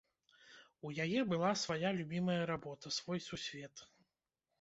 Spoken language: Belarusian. У яе была свая любімая работа, свой сусвет.